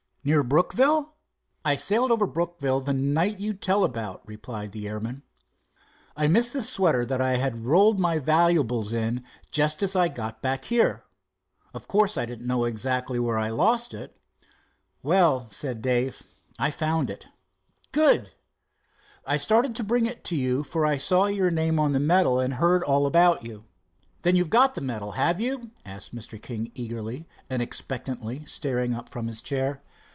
"Near Brookville?" "I sailed over Brookville the night you tell about," replied the airman. "I missed the sweater that I had rolled my valuables in just as I got back here. Of course I didn't know exactly where I lost it." "Well," said Dave, "I found it——" "Good!" "I started to bring it to you, for I saw your name on the medal, and had heard all about you." "Then you've got the medal, have you?" asked Mr. King eagerly and expectantly, starting up from his chair.